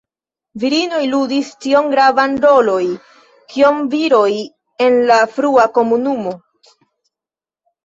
Virinoj ludis tiom gravan roloj kiom viroj en la frua komunumo.